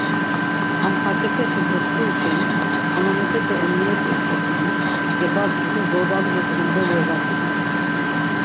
Ham xaǩepeşi goskuru şeni ǩanonepete emniyet̆i eç̌opumu, gebazgu do zorbaluğis endoli ovapu diç̌irs.